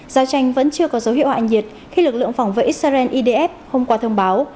giao tranh vẫn chưa có dấu hiệu hạ nhiệt khi lực lượng phòng vệ israel idf hôm qua thông báo